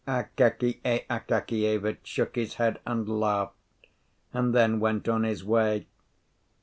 Akakiy Akakievitch shook his head and laughed, and then went on his way.